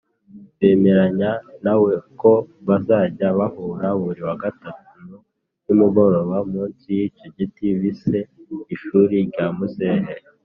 bemeranya na we ko bazajya bahura buri wa gatanu nimugoroba munsi y’icyo giti bise “ishuri rya muzehe”.